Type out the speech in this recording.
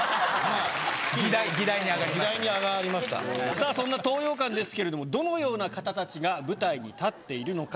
さぁそんな東洋館ですけれどもどのような方たちが舞台に立っているのか。